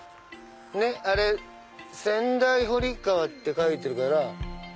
あれ「仙台堀川」って書いてるから。